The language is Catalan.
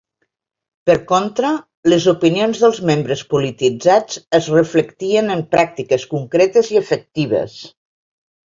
Per contra, les opinions dels membres polititzats es reflectien en pràctiques concretes i efectives.